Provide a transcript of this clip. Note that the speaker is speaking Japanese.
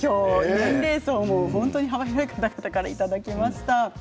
年齢層も幅広い方からいただきました。